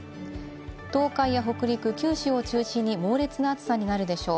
東海や北陸、九州を中心に猛烈な暑さになるでしょう。